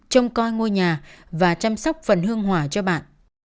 trông coi ngôi nhà và chăm sóc phần hương hòa cho bạn